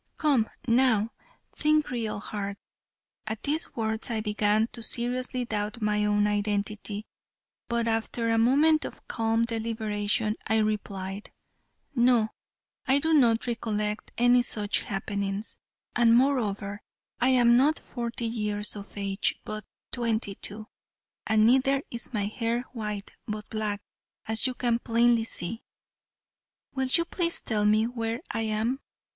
Come now, think real hard." At these words I began to seriously doubt my own identity, but after a moment of calm deliberation I replied, "No, I do not recollect any such happenings, and moreover, I am not forty years of age, but twenty two, and neither is my hair white but black as you can plainly see. Will you please tell me where I am?